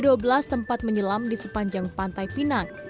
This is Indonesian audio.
kepulauan selayar ada dua puluh empat penyelam di sepanjang pantai pinang